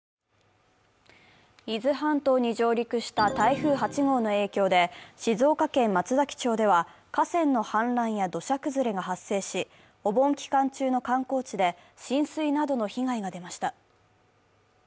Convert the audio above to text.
伊豆半島に上陸した台風８号の影響で静岡県松崎町では、河川の氾濫や土砂崩れが発生し、お盆期間中の観光地で浸水などの被害が出ました。